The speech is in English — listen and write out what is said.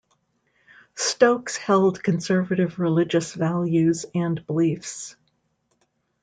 Stokes held conservative religious values and beliefs.